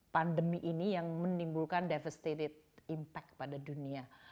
pandemi ini yang menimbulkan impact yang teruk pada dunia